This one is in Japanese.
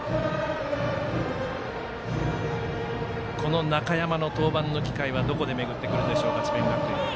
この中山の登板の機会はどこで巡ってくるでしょうか智弁学園。